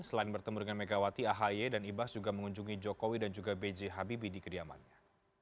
selain bertemu dengan megawati ahy dan ibas juga mengunjungi jokowi dan juga b j habibie di kediamannya